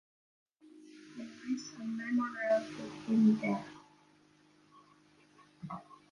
There is a memorial to him there.